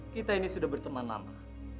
kita ini sudah berteman lama